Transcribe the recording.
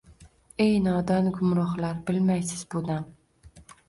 — Ey, nodon gumrohlar, bilmaysiz bu dam